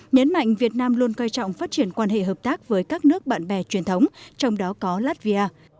nhấn mạnh việt nam luôn coi trọng phát triển quan hệ hợp tác với các nước bạn bè truyền thống trong đó có latvia